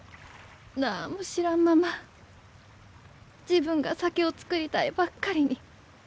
何も知らんまま自分が酒を造りたいばっかりに。